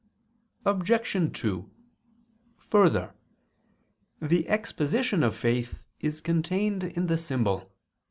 Obj. 2: Further, the exposition of faith is contained in the symbol.